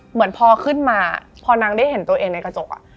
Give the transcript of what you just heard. เหมือนพอขึ้นมาพอนางได้เห็นตัวเองในกระจก